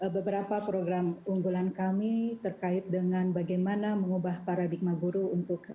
beberapa program unggulan kami terkait dengan bagaimana mengubah paradigma buruh untuk